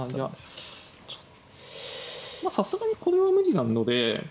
まあさすがにこれは無理なので。